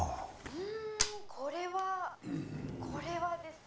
「うんこれはこれはですね」